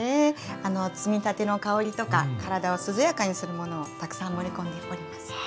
あの摘みたての香りとか体を涼やかにするものをたくさん盛り込んでおります。